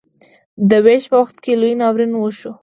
د ویش په وخت کې لوی ناورین وشو.